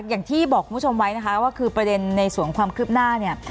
อย่างที่บอกคุณผู้ชมไว้นะคะว่าคือประเด็นในส่วนความคืบหน้าเนี่ย